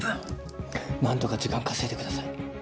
何とか時間稼いでください。